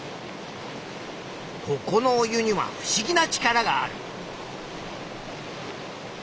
ここのお湯にはふしぎな力がある。